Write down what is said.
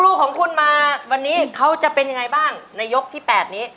ลูกของคุณมาวันนี้เขาจะเป็นยังไงบ้างในยกที่๘นี้